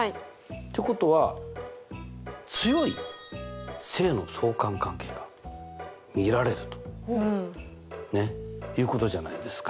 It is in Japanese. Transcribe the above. ってことは強い正の相関関係が見られるということじゃないですか。